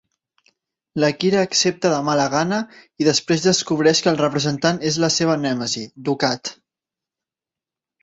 La Kira accepta de mala gana, i després descobreix que el representant és la seva nèmesi, Dukat.